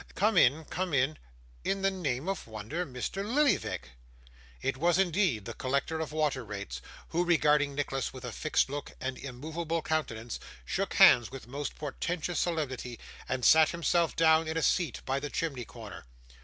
Come in, come in. In the name of wonder! Mr Lillyvick?' It was, indeed, the collector of water rates who, regarding Nicholas with a fixed look and immovable countenance, shook hands with most portentous solemnity, and sat himself down in a seat by the chimney corner.